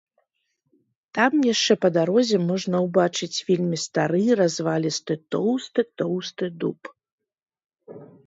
Там яшчэ па дарозе можна ўбачыць вельмі стары развалісты тоўсты-тоўсты дуб.